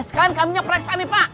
sekarang kaminya pereksa nih pak